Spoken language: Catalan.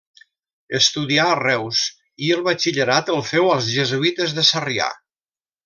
Estudià a Reus i el batxillerat el féu als jesuïtes de Sarrià.